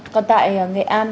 còn tại nghệ an